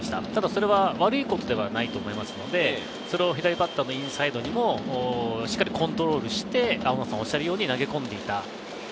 それは悪いことではないと思いますので、左バッターのインサイドにもしっかりコントロールして投げ込んでいた。